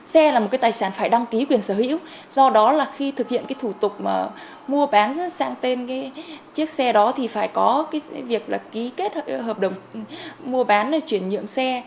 xe là một cái tài sản phải đăng ký quyền sở hữu do đó là khi thực hiện cái thủ tục mà mua bán sang tên cái chiếc xe đó thì phải có cái việc là ký kết hợp đồng mua bán rồi chuyển nhượng xe